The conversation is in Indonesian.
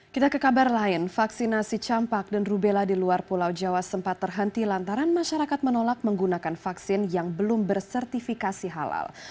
kita ke kabar lain vaksinasi campak dan rubella di luar pulau jawa sempat terhenti lantaran masyarakat menolak menggunakan vaksin yang belum bersertifikasi halal